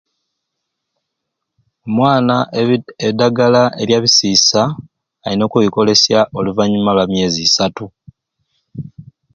Omwana ebi eddagala elya bisiisa alina okulikolesya oluvanyuma lwa myezi isatu.